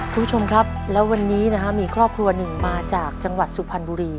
คุณผู้ชมครับแล้ววันนี้นะฮะมีครอบครัวหนึ่งมาจากจังหวัดสุพรรณบุรี